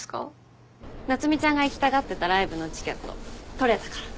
夏海ちゃんが行きたがってたライブのチケット取れたから。